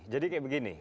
jadi kayak begini